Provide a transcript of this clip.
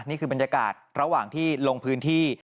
นี่คือบรรยากาศระหว่างที่ลงพื้นที่